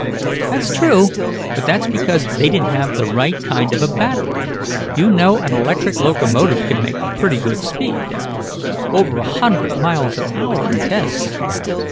"That's true, but it's because they didn't have the right kind of a battery. You know an electric locomotive can make pretty good speed, Dad. Over a hundred miles an hour in tests."